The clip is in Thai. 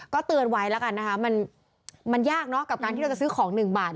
ก็เตือนไว้แล้วกันนะคะมันยากเนอะกับการที่เราจะซื้อของ๑บาท